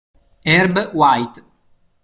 Herb White